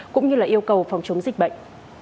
cũng như yêu cầu phòng chống dịch bệnh